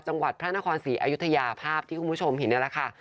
จังหวัดพระนครศรีอยุธยาภาพที่คุณผู้ชมเห็นนี่แหละค่ะ